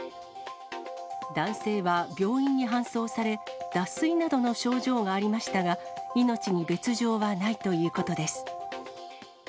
男性は病院に搬送され、脱水などの症状がありましたが、命に別状はないということです。